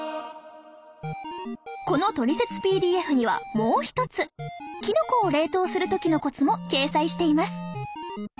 このトリセツＰＤＦにはもう一つきのこを冷凍する時のコツも掲載しています